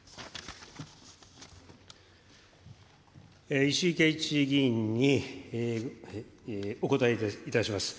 石井啓一議員にお応えいたします。